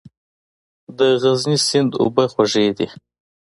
د غزني سیند اوبه خوږې دي